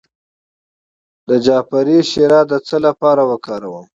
د جعفری شیره د څه لپاره وکاروم؟